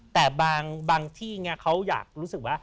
แต่บางที่เขาอยากรู้สึกว่า